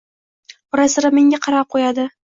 Ora-sira menga qarab qo'yadi.